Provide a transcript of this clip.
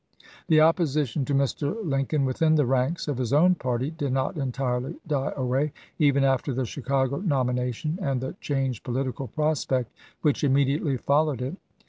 The opposition to Mr. Lincoln within the ranks of his own party did not entirely die away, even after the Chicago nomination and the changed political prospect which immediately followed it.